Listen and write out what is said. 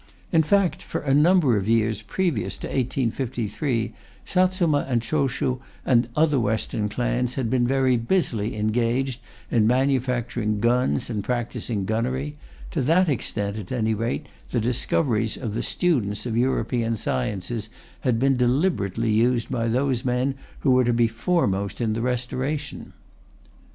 In fact, for a number of years previous to 1853, Satsuma and Choshu and other western clans had been very busily engaged in manufacturing guns and practising gunnery: to that extent, at any rate, the discoveries of the students of European sciences had been deliberately used by those men who were to be foremost in the Restoration.